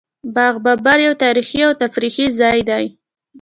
باغ بابر یو تاریخي او تفریحي ځای دی